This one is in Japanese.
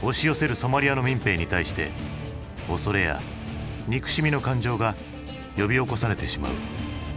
ソマリアの民兵に対して恐れや憎しみの感情が呼び起こされてしまう。